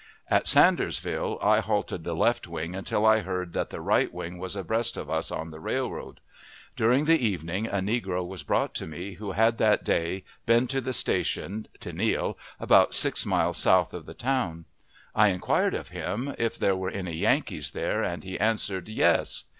At Sandersville I halted the left wing until I heard that the right wing was abreast of us on the railroad. During the evening a negro was brought to me, who had that day been to the station (Tenille), about six miles south of the town. I inquired of him if there were any Yankees there, and he answered, "Yes."